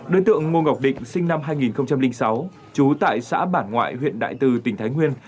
đối tượng ngô ngọc định sinh năm hai nghìn sáu trú tại xã bản ngoại huyện đại từ tỉnh thái nguyên